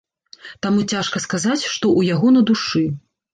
Таму цяжка сказаць, што ў яго на душы.